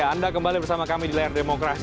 ya anda kembali bersama kami di layar demokrasi